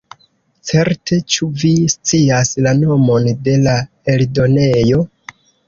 Certe, ĉu vi scias la nomon de la eldonejo?